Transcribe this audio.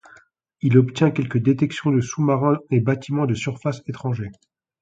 Il obtient quelques détections de sous-marins et bâtiments de surface étrangers.